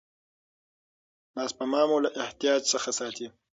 دا سپما مو له احتیاج څخه ساتي.